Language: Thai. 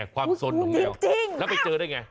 นั่นไปเจอได้ไง